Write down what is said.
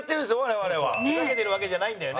山崎：ふざけてるわけじゃないんだよね。